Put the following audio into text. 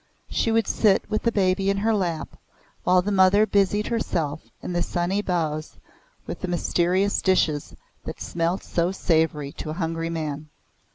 She would sit with the baby in her lap while the mother busied herself in the sunny bows with the mysterious dishes that smelt so savory to a hungry man.